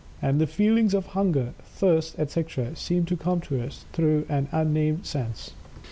And the feelings of hunger, thirst, etc., seem to come to us through an unnamed sense.